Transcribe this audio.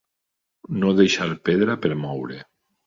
No deixar pedra per moure.